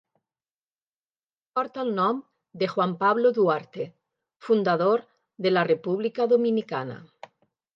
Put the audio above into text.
Porta el nom de Juan Pablo Duarte, fundador de la República Dominicana.